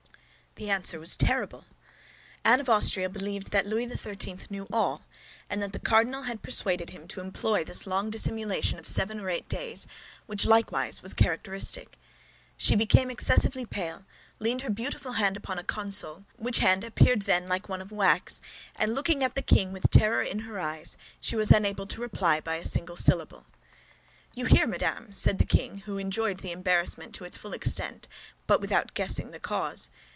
The answer was terrible. Anne of Austria believed that Louis XIII. knew all, and that the cardinal had persuaded him to employ this long dissimulation of seven or eight days, which, likewise, was characteristic. She became excessively pale, leaned her beautiful hand upon a console, which hand appeared then like one of wax, and looking at the king with terror in her eyes, she was unable to reply by a single syllable. "You hear, madame," said the king, who enjoyed the embarrassment to its full extent, but without guessing the cause.